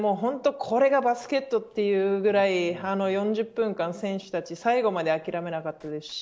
これがバスケットというぐらい４０分間、選手たち最後まで諦めなかったですし